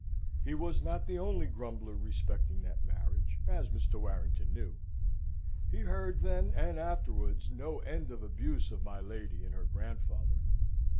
He was not the only grumbler respecting that marriage, as Mr. Warrington knew: he heard, then and afterwards, no end of abuse of my lady and her grandfather.